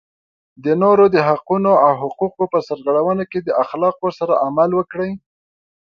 د نورو د حقونو او حقوقو په سرغړونه کې د اخلاقو سره عمل وکړئ.